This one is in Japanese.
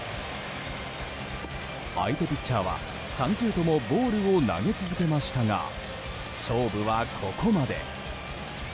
相手ピッチャーは３球ともボールを投げ続けましたが勝負は、ここまで。